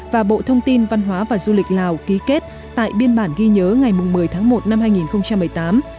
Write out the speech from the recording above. và bộ thông tin văn hóa và du lịch lào ký kết tại biên bản ghi nhớ ngày một mươi tháng một năm hai nghìn một mươi tám